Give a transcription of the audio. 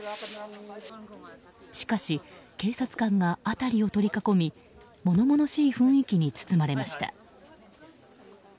しかし、警察官が辺りを取り囲み物々しい雰囲気に包まれました。